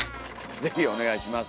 是非お願いします。